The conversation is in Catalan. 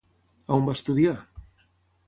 A on va estudiar?